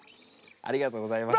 ありがとうございます。